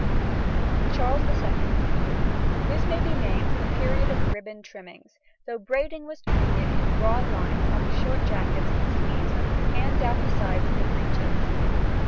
CHARLES II. This may be named the period of ribbon trimmings, though braiding was treated in broad lines on the short jackets and sleeves, and down the sides of the breeches.